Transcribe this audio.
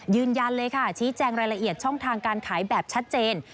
ยืนยันเลยค่ะชี้แจงรายละเอียดช่องทางการขายแบบชัดเจน